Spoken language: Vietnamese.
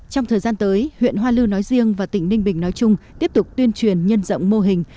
trong thời gian tới huyện hoa lư nói riêng và tỉnh ninh bình nói chung tiếp tục tuyên truyền nhân rộng mô hình